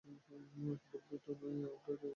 পুতুল বই তো নই আমরা, একজন আড়ালে বসে খেলাচ্ছেন।